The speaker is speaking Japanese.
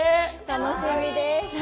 楽しみです。